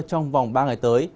trong vòng ba ngày tới